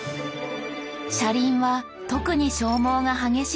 車輪は特に消耗が激しい部分。